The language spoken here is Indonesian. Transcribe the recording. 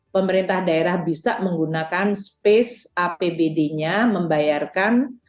pemerintah daerah bisa menggunakan space apbd nya membayarkan